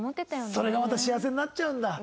それがまた幸せになっちゃうんだ。